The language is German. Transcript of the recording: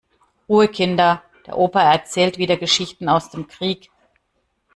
Ruhe Kinder, der Opa erzählt wieder Geschichten aus dem Krieg.